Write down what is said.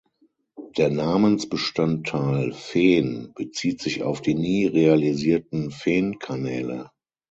Der Namensbestandteil „-fehn“ bezieht sich auf die nie realisierten Fehnkanäle.